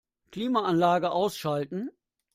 Klimaanlage ausschalten.